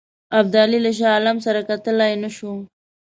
ابدالي له شاه عالم سره کتلای نه شو.